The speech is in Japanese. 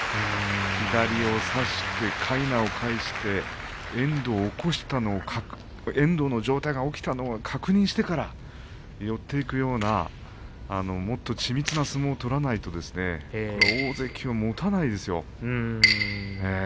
左を差して、かいなを返して遠藤の上体が起きたのを確認してから寄っていくようなもっと緻密な相撲を取らないとですね大関は、もたないですよ。